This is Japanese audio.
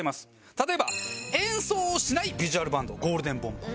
例えば演奏しないビジュアルバンドゴールデンボンバー。